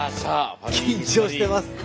緊張してます。